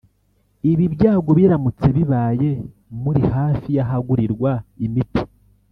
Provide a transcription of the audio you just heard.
Ibi byago biramutse bibaye muri hafi y’ahagurirwa imiti